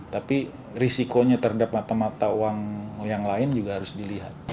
tapi risikonya terhadap mata mata uang yang lain juga harus dilihat